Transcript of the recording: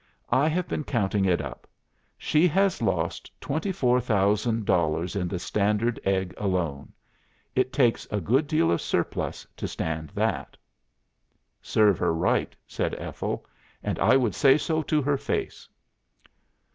I have been counting it up. She has lost twenty four thousand dollars in the Standard Egg alone. It takes a good deal of surplus to stand that.'" "'Serve her right,' said Ethel 'And I would say so to her face.